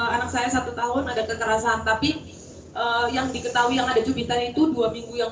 anak saya satu tahun ada kekerasan tapi yang diketahui yang ada jubitan itu dua minggu yang